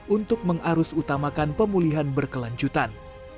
untuk mengarus utamakan pemulihan berkelanjutan